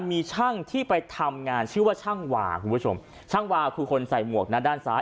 มีช่างที่ไปทำงานชื่อว่าช่างวาคุณผู้ชมช่างวาคือคนใส่หมวกนะด้านซ้าย